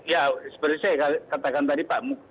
ya seperti saya katakan tadi pak